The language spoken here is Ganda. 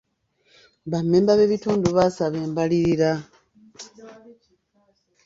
Ba mmemba b'ekitundu baasaba embalirira.